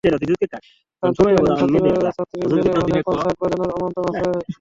কাজ জুটিয়ে নেন, ছাত্রছাত্রী মেলে অনেক, কনসার্টে বাজানোর আমন্ত্রণও আসে বেশুমার।